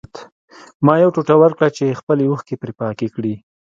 ما یو ټوټه ورکړه چې خپلې اوښکې پرې پاکې کړي